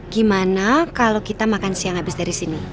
gimana kalau kita makan siang habis dari sini